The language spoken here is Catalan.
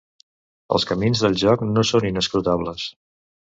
Els camins del joc no són inescrutables.